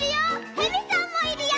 へびさんもいるよ！